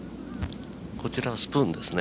こちらはスプーンですね。